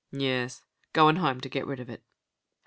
"Yes goin' home to get rid of it."